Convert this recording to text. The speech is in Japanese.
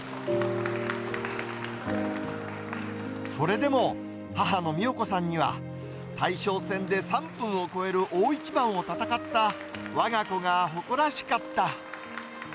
それでも、母の美代子さんには、大将戦で３分を超える大一番を戦ったわが子が誇らしかった。